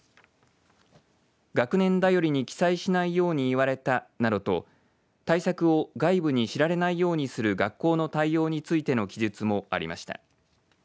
学年便りに記載しないように言われたなどと対策を外部に知られないようにする学校の対応についての記述もありました。